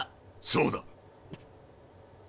そうだ。